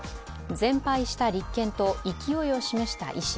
全敗した立憲と勢いを示した維新。